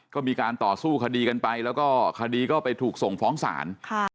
ก็มีการต่อสู้คดีกันไปแล้วก็คดีก็ไปถูกส่งฟ้องศาล